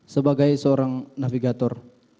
sebagai seorang navigator